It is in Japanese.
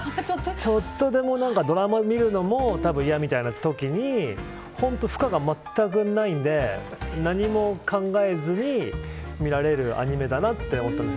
ちょっとでもドラマ見るのも嫌みたいなときに本当に負荷がまったくないので何も考えずに見られるアニメだなって思ったんです。